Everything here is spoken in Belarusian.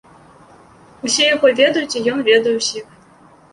Усе яго ведаюць, і ён ведае ўсіх.